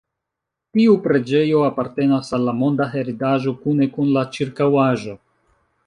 Tiu preĝejo apartenas al la Monda Heredaĵo kune kun la ĉirkaŭaĵo.